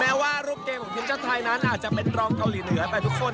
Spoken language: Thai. แม้ว่ารูปเกมของทีมชาติไทยนั้นอาจจะเป็นรองเกาหลีเหนือไปทุกคน